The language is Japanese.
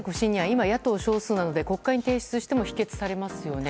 今、野党が少数なので国会に提出しても否決されますよね。